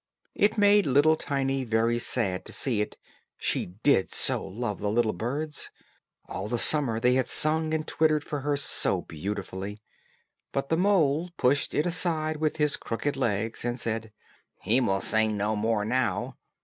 It made little Tiny very sad to see it, she did so love the little birds; all the summer they had sung and twittered for her so beautifully. But the mole pushed it aside with his crooked legs, and said, "He will sing no more now.